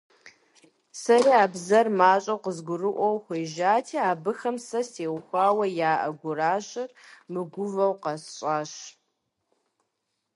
Сэри я бзэр мащӀэу къызгурыӀуэу хуежьати, абыхэм сэ стеухуауэ яӀэ гуращэр мыгувэу къэсщӀащ.